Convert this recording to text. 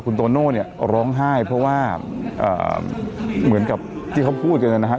คุณโตโน่เนี่ยร้องไห้เพราะว่าเหมือนกับที่เขาพูดกันนะฮะ